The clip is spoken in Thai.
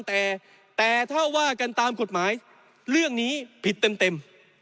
แต่แต่ถ้าว่ากันตามกฎหมายเรื่องนี้ผิดเต็ม